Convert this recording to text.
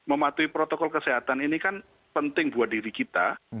mematuhi protokol kesehatan ini kan penting buat diri kita